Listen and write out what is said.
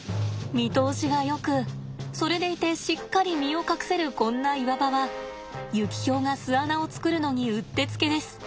見通しがよくそれでいてしっかり身を隠せるこんな岩場はユキヒョウが巣穴を作るのにうってつけです。